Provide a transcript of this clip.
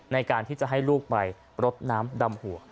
ในการที่จะให้ลูกไปรดน้ำดำหัว